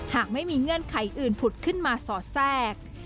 หากไม่มีเงื่อนไขอื่นผุดขึ้นมาสอดแทรก